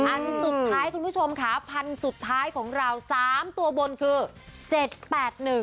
อันสุดท้ายคุณผู้ชมค่ะพันธุ์สุดท้ายของเรา๓ตัวบนคือ๗๘๑